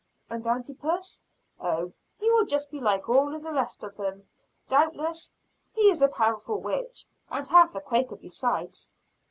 "And Antipas?" "Oh, he will just be like all the rest of them, doobtless. He is a powerful witch, and half a Quaker, besides."